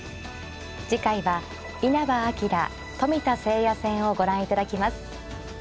次回は稲葉陽冨田誠也戦をご覧いただきます。